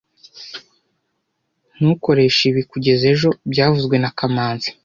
Ntukoreshe ibi kugeza ejo byavuzwe na kamanzi